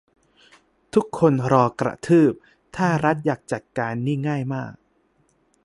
ทุกคนรอกระทืบ ถ้ารัฐอยากจัดการนี่ง่ายมาก